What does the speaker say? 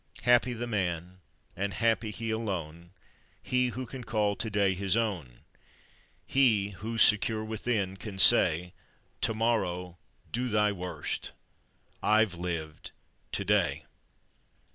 "Happy the man, and happy he alone, He who can call to day his own; He who, secure within, can say; To morrow, do thy worst, I've liv'd to day!"